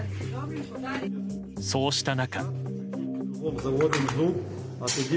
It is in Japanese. そうした中。